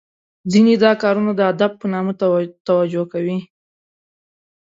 ځینې دا کارونه د ادب په نامه توجه کوي .